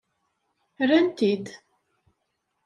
Rrant-t-id.